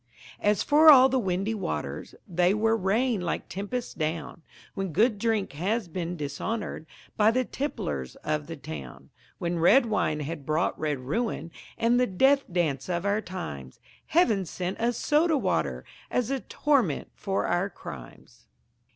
As for all the windy waters, They were rained like tempests down When good drink had been dishonoured By the tipplers of the town; When red wine had brought red ruin And the death dance of our times, Heaven sent us Soda Water As a torment for our crimes.